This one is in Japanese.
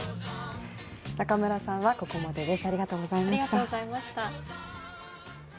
中村さんはここまでです。